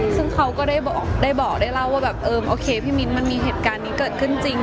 ซึ่งเขาก็ได้บอกได้เล่าว่าแบบเออโอเคพี่มิ้นมันมีเหตุการณ์นี้เกิดขึ้นจริง